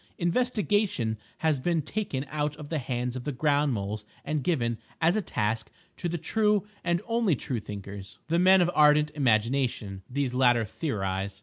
Investigation has been taken out of the hands of the ground moles and given, as a task, to the true and only true thinkers, the men of ardent imagination. These latter theorize.